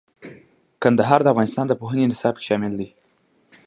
کندهار د افغانستان د پوهنې نصاب کې شامل دي.